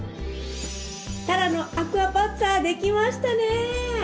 たらのアクアパッツァできましたね！